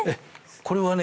これはね